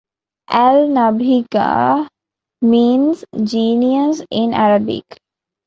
"Al-Nabigha" means "genius" in Arabic.